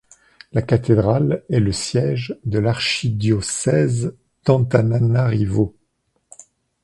La cathédrale est le siège de l'archidiocèse d'Antananarivo.